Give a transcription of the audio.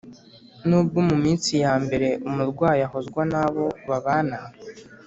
nubwo mu minsi ya mbere, umurwayi ahozwa n’abo babana